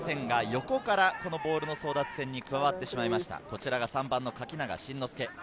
横からボールの争奪戦に加わってしまいました、３番・垣永真之介。